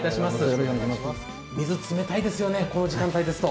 水、冷たいですよね、この時間帯ですと。